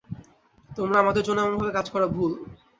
তোমার আমাদের জন্য এমনভাবে কাজ করা ভুল।